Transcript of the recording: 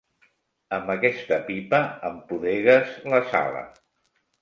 Amb aquesta pipa empudegues la sala.